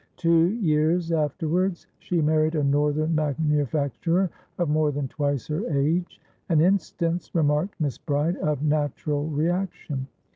Two years afterwards, she married a northern manufacturer of more than twice her age; an instance (remarked Miss Bride) of natural reaction.